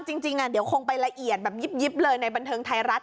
จริงเดี๋ยวคงไปละเอียดแบบยิบเลยในบันเทิงไทยรัฐ